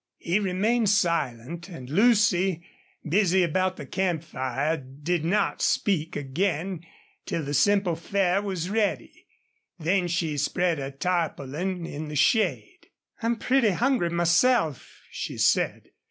He remained silent, and Lucy, busy about the campfire, did not speak again till the simple fare was ready. Then she spread a tarpaulin in the shade. "I'm pretty hungry myself," she said.